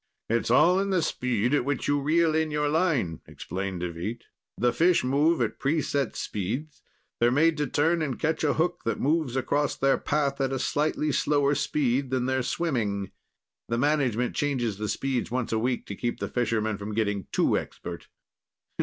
"It's all in the speed at which you reel in your line," explained Deveet. "The fish move at pre set speeds. They're made to turn and catch a hook that moves across their path at a slightly slower speed than they're swimming. The management changes the speeds once a week to keep the fishermen from getting too expert."